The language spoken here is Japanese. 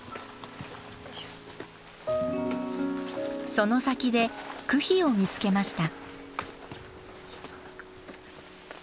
その先で句碑を見つけました。